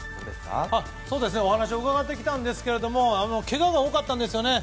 お話を伺ってきたんですがけがが多かったんですよね。